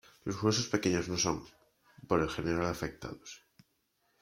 Los huesos pequeños no son, por el general afectados.